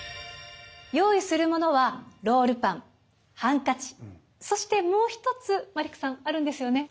用意するものはロールパンハンカチそしてもう一つマリックさんあるんですよね？